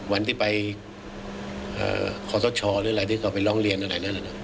วันที่ไปขอสชหรืออะไรที่เขาไปร้องเรียนอะไรนั้น